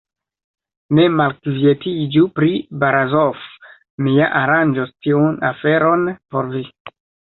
Ne malkvietiĝu pri Barazof; mi ja aranĝos tiun aferon por vi.